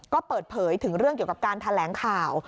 ก็เปิดเผยถึงเรื่องเกี่ยวกับการแถลงข่าว